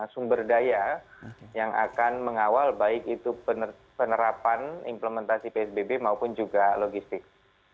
sumber daya yang akan mengawal baik itu penerapan implementasi psbb maupun juga logistik